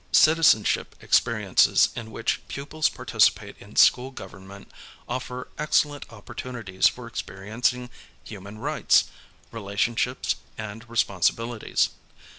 Citizenship experiences in which pupils participate in school government offer excellent opportunities for experiencing human rights, relationships, and responsibilities.